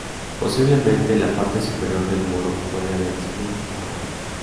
Posiblemente, la parte superior del muro fuera de arcilla o adobe.